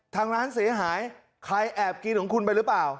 ทางร้านเสียหายใครแอบกินของคุณไปหรือเปล่า